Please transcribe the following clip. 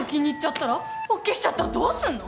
ＯＫしちゃったらどうすんの？